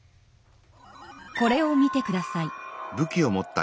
これを見てください。